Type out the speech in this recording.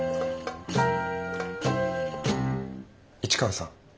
市川さん。